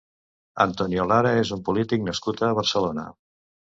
Antonio Lara és un polític nascut a Barcelona.